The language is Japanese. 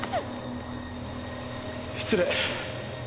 失礼。